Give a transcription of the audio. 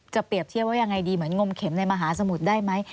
เปรียบเทียบว่ายังไงดีเหมือนงมเข็มในมหาสมุทรได้ไหม